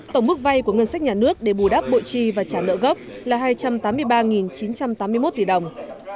tổng mức vay của ngân sách nhà nước để bù đáp bộ chi và trả nợ gốc là hai trăm tám mươi ba chín trăm tám mươi một tỷ đồng